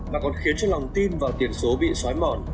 mà còn khiến cho lòng tin vào tiền số bị xóa mòn